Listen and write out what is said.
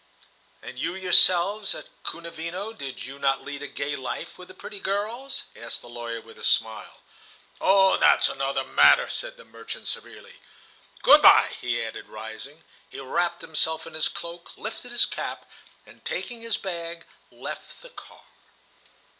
"And you yourselves, at Kounavino, did you not lead a gay life with the pretty girls?" asked the lawyer with a smile. "Oh, that's another matter," said the merchant, severely. "Good by," he added, rising. He wrapped himself in his cloak, lifted his cap, and, taking his bag, left the car.